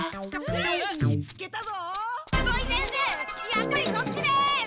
やっぱりそっちです！